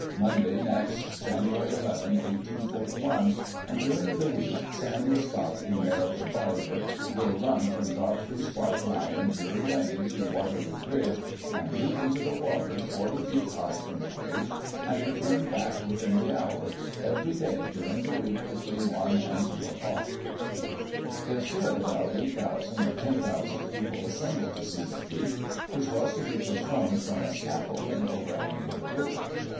Monday next, Jan. 11, 1841, and during the week, Samuel Scott, the American diver, will run from Godfrey's White Lion, Drury Lane, to Waterloo Bridge, and leap into the water, forty feet high from the bridge, and return back within the hour, every day during the week, between one and two o'clock." There were about 8,000 or 10,000 people assembled to see the feat, which was to be performed from a scaffolding overhanging the river.